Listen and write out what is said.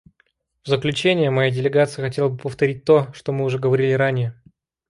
В заключение моя делегация хотела бы повторить то, что мы уже говорили ранее.